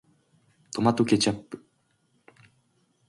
トマトケチャップ